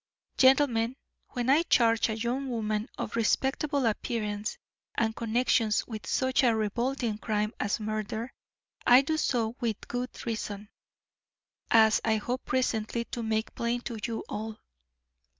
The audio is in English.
"Gentlemen, when I charge a young woman of respectable appearance and connections with such a revolting crime as murder, I do so with good reason, as I hope presently to make plain to you all.